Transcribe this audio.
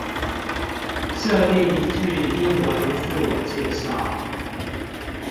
設定一句英文自我介紹